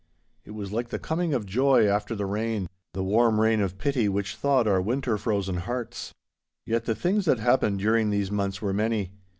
It was like the coming of joy after the rain—the warm rain of pity which thawed our winter frozen hearts. Yet the things that happened during these months were many.